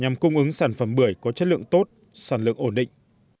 nhằm cung ứng sản phẩm bưởi có chất lượng tốt sản lượng ổn định